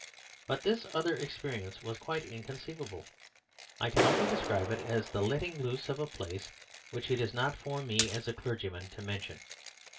But this other experience was quite inconceivable. I can only describe it as the letting loose of a place which it is not for me, as a clergyman, to mention.